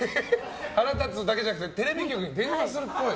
腹立つだけじゃなくてテレビ局に電話するっぽい。